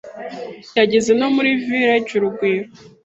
yageze no muri Village Urugwiro